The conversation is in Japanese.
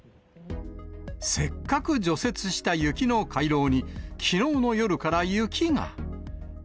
せっかく除雪した雪の回廊に、きのうの夜から雪が。